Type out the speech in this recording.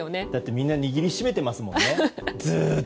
みんな握りしめてますもんね。